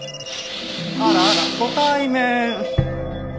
あらあらご対面。